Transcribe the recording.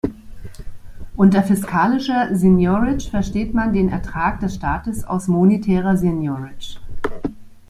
Unter fiskalischer Seigniorage versteht man den Ertrag des Staates aus monetärer Seigniorage.